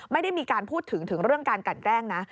ไม่ได้มีการพูดถึงถึงเรื่องการกันแกล้งนะ